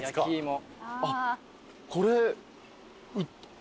あっこれ。